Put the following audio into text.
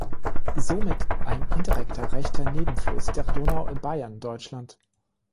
Somit ein indirekter rechter Nebenfluss der Donau in Bayern, Deutschland.